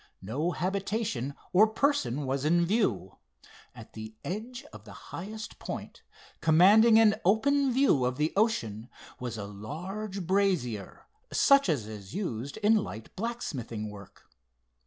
No habitation or person was in view. At the edge of the highest point, commanding an open view of the ocean, was a large brazier, such as is used in light blacksmithing work.